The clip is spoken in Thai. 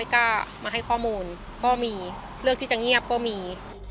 กล้ามาให้ข้อมูลก็มีเลือกที่จะเงียบก็มี